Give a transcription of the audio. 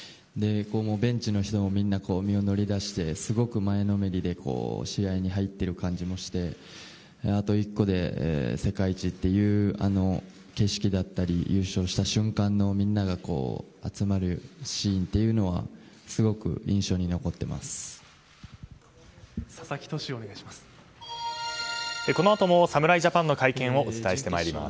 ベンチの人もみんな身を乗り出してすごく前のめりで試合に入っている感じもしてあと１個で世界一というあの景色だったり優勝した瞬間のみんなが集まるシーンというのはずーっと雪ならいいのにねー！